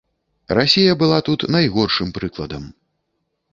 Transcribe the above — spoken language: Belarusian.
Расія была тут найгоршым прыкладам.